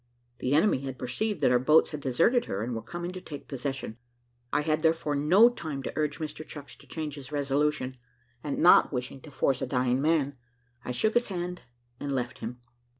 The enemy had perceived that our boats had deserted her, and were coming to take possession. I had therefore no time to urge Mr Chucks to change his resolution, and not wishing to force a dying man, I shook his hand and left him.